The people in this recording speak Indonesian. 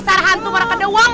dasar hantu mereka doang